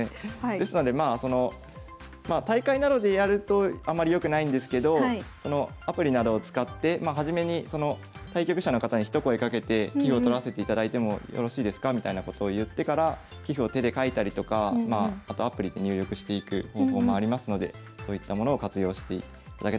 ですのでまあその大会などでやるとあんまりよくないんですけどアプリなどを使って初めに対局者の方に一声かけて棋譜をとらせていただいてもよろしいですかみたいなことを言ってから棋譜を手で書いたりとかまああとアプリで入力していく方法もありますのでそういったものを活用していただけたらと思います。